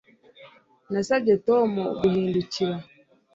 Nasabye Tom guhindukira